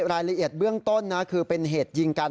รายละเอียดเบื้องต้นนะคือเป็นเหตุยิงกัน